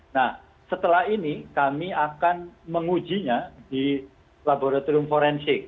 nah setelah ini kami akan mengujinya di laboratorium forensik